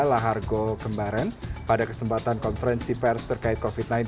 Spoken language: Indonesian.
lahargo kembaren pada kesempatan konferensi pers terkait covid sembilan belas